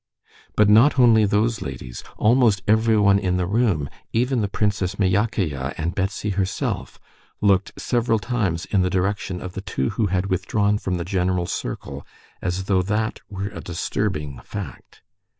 But not only those ladies, almost everyone in the room, even the Princess Myakaya and Betsy herself, looked several times in the direction of the two who had withdrawn from the general circle, as though that were a disturbing fact.